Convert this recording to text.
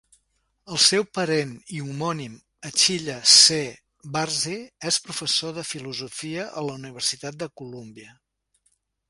El seu parent i homònim, Achille C. Varzi, és professor de filosofia a la Universitat de Columbia.